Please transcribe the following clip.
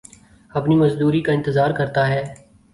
اپنی مزدوری کا انتظار کرتا ہے